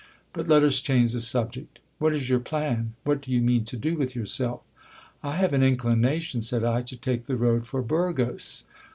But let us change the subject. What is your plan ? What do you mean to do with yourself? I have an inclination, said I, to take the road for Burgos.